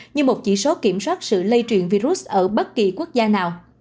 như một chỉ số kiểm soát sự lây truyền virus ở bất kỳ quốc gia nào